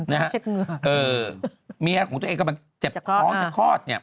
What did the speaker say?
มีเมียของตัวเองกำลังเจ็บคล้องจากคลอด